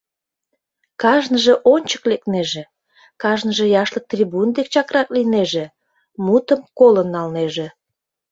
Кажныже ончык лекнеже, кажныже яшлык трибун дек чакрак лийнеже, мутым колын налнеже.